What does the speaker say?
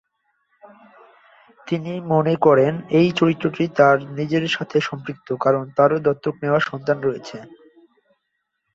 তিনি মনে করেন এই চরিত্রটি তার নিজের সাথে সম্পৃক্ত, কারণ তারও দত্তক নেওয়া সন্তান রয়েছে।